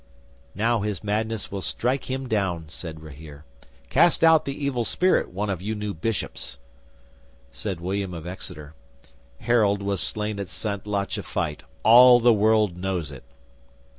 "Now his madness will strike him down," said Rahere. "Cast out the evil spirit, one of you new bishops." 'Said William of Exeter: "Harold was slain at Santlache fight. All the world knows it."